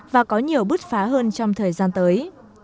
và có nhiều bứt phá hơn trong thời gian tới